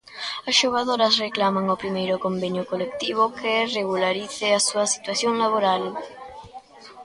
As xogadoras reclaman o primeiro convenio colectivo que regularice a súa situación laboral...